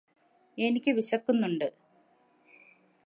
എനിക്ക് വിശക്കുന്നുണ്ട്